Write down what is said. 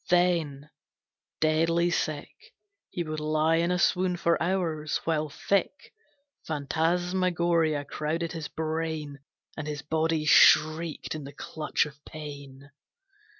Then, deadly sick, He would lie in a swoon for hours, while thick Phantasmagoria crowded his brain, And his body shrieked in the clutch of pain.